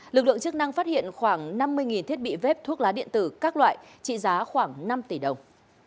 lực lượng chức năng phát hiện khoảng năm mươi thiết bị vép thuốc lá điện tử các loại trị giá khoảng năm tỷ đồng